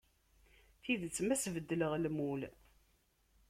Tidet ma ad as-beddleɣ lmul.